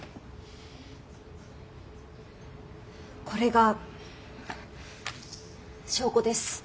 これが証拠です。